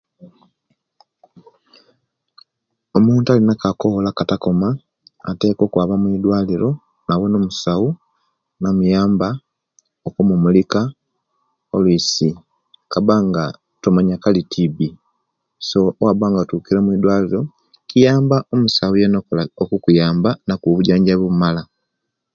Omutu alina akakoolo etikakoma ateka okwaba muidwaliro nawona omusawo namuyamba okumumulika oluisi tomanya nga Kali TB so owaba nga atukire mudwaliro kiyamba omusawo yena okukuyamba nakuwa obwijanjanjabi obumala